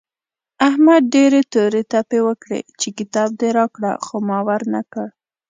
احمد ډېرې تورې تپې وکړې چې کتاب دې راکړه خو ما ور نه کړ.